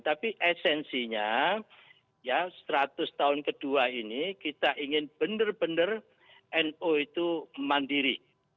tapi esensinya ya seratus tahun kedua ini kita ingin benar benar no itu mandiri